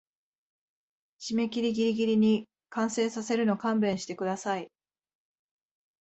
締切ギリギリに完成させるの勘弁してください